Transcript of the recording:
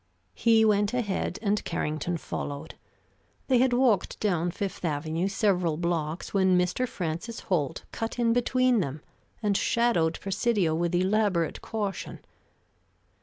He went ahead, and Carrington followed. They had walked down Fifth Avenue several blocks when Mr. Francis Holt cut in between them, and shadowed Presidio with elaborate caution.